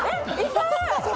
痛い！